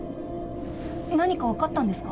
何か分かったんですか？